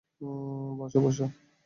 বসো, বসো।